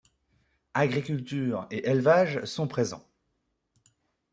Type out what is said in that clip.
Agriculture et élevage sont présents.